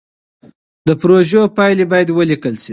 د پروژو پايلې بايد وليکل سي.